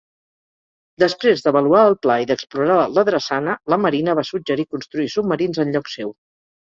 Després d'avaluar el pla i d'explorar la drassana, la Marina va suggerir construir submarins en lloc seu.